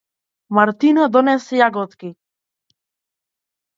Мартина донесе јаготки.